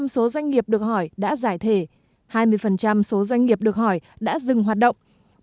chín mươi số doanh nghiệp được hỏi đã giải thể hai mươi số doanh nghiệp được hỏi đã dừng hoạt động